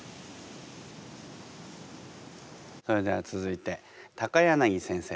それでは続いて柳先生